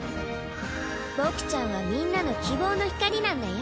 僕ちゃんはみんなの希望の光なんだよ。